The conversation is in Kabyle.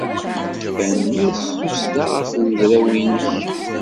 Tanemmirt s tussda ɣef udraw-nnek.